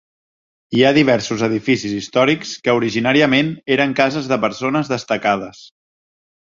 Hi ha diversos edificis històrics que originàriament eren cases de persones destacades.